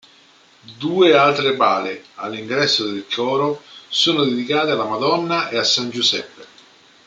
Due altre pale, all'ingresso del coro, sono dedicate alla Madonna e a san Giuseppe.